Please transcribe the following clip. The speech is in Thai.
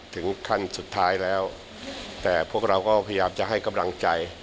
ถึงขั้นสุดท้ายแล้วแต่พวกเราก็พยายามจะให้กำลังใจ